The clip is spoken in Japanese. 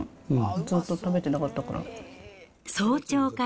ずっと食べてなかったから。